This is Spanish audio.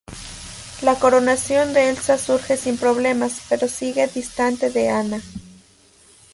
La coronación de Elsa surge sin problemas, pero sigue distante de Anna.